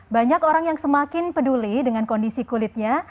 banyak orang yang semakin peduli dengan kondisi kulitnya